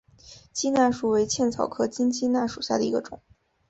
鸡纳树为茜草科金鸡纳属下的一个种。